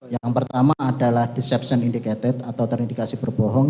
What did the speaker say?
yang pertama adalah deception indicated atau terindikasi berbohong